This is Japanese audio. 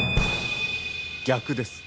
逆です。